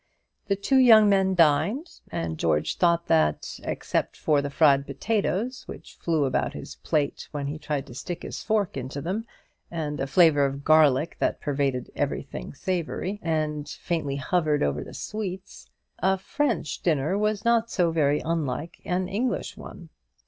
The two young men dined; and George thought that, except for the fried potatoes, which flew about his plate when he tried to stick his fork into them, and a flavour of garlic, that pervaded everything savoury, and faintly hovered over the sweets, a French dinner was not so very unlike an English one.